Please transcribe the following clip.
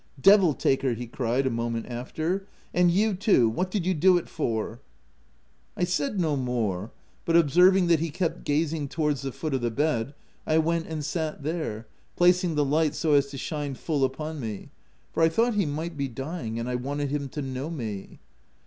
— Devil take her," he cried, a moment after, —" and you too ! What did you do it for?" OF WILDPELL HALL,. 197 I said no more ; but observing that he kept gazing towards the foot of the bed, I went and sat there, placing the light so as to shine full upon me; for I thought he might be dying, and I wanted him to know me.